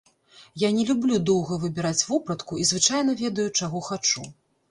Я не люблю доўга выбіраць вопратку і звычайна ведаю, чаго хачу.